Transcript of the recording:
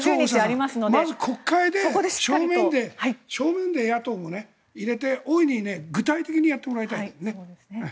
まず国会で正面で野党も入れて具体的にやってもらいたい。